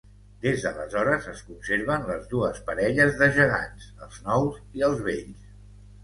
Des d'aleshores es conserven les dues parelles de gegants, els nous i els vells.